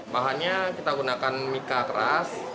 bahannya kita gunakan mika keras